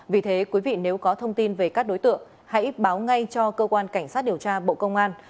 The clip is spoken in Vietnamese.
vì thế quý vị nếu có thông tin về các đối tượng hãy báo ngay cho cơ quan cảnh sát điều tra bộ công an